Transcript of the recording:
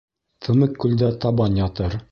Тымыҡ күлдә табан ятыр.